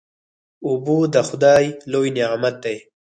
اوبه د خدای لوی نعمت دی.